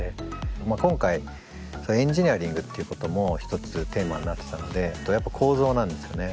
今回エンジニアリングっていうことも一つテーマになってたのでやっぱ構造なんですよね。